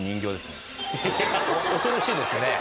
恐ろしいですね。